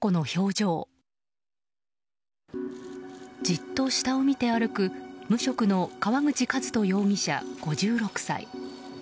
じっと下を見て歩く無職の川口和人容疑者、５６歳。